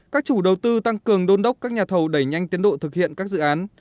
các chủ đầu tư tăng cường đôn đốc các nhà thầu đẩy nhanh tiến độ thực hiện các dự án